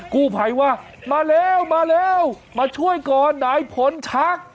กู้ภัยว่ามาเร็วมาเร็วมาช่วยก่อนไหนผลชัก